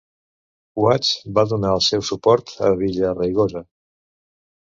Wachs va donar el seu suport a Villaraigosa.